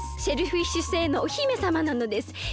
シェルフィッシュ星のお姫さまなのです！